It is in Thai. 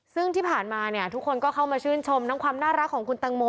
ซึ่งที่ผ่านมาเนี่ยทุกคนก็เข้ามาชื่นชมทั้งความน่ารักของคุณตังโม